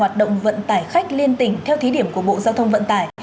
hoạt động vận tải khách liên tỉnh theo thí điểm của bộ giao thông vận tải